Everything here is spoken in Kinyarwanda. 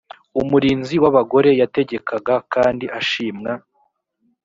umurinzi w’abagore yategekaga kandi ashimwa